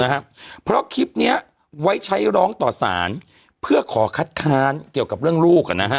นะครับเพราะคลิปเนี้ยไว้ใช้ร้องต่อสารเพื่อขอคัดค้านเกี่ยวกับเรื่องลูกอ่ะนะฮะ